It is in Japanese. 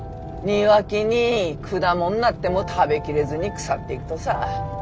庭木に果物なっても食べきれずに腐っていくとさ。